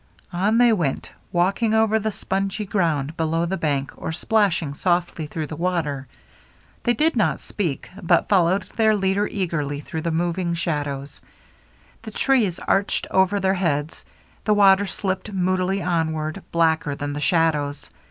On they went, walking over the spongy ground below the bank or splashing softly through the water. They did not speak, but WHISKEY JIM 351 followed their leader eagerly through the mov ing shadows. The trees arched over their heads, the water slipped moodily onward, blacker than the shadows.